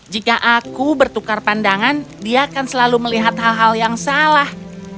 jika aku bertukar pandangan dia akan selalu melihat hal hal yang salah